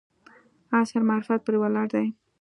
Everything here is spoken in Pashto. عصر معرفت پرې ولاړ دی.